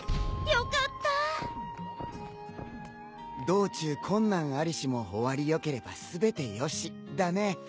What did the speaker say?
道中困難ありしも終わりよければ全てよしだね。